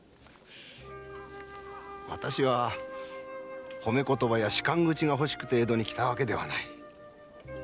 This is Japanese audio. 私は褒め言葉や仕官口が欲しくて江戸に来たわけではない。